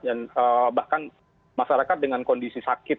dan bahkan masyarakat dengan kondisi sakit